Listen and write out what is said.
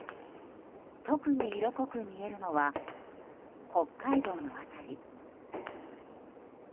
特に色濃く見えるのは北海道の辺り。